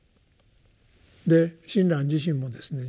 で親鸞自身もですね